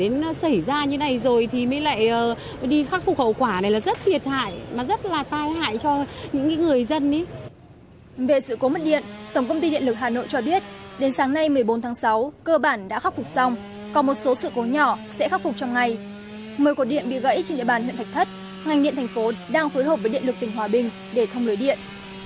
ngành điện thành phố đang phối hợp với điện lực tình hòa bình để thông lưới điện